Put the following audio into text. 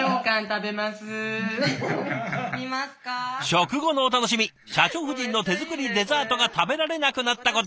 食後のお楽しみ社長夫人の手作りデザートが食べられなくなったこと！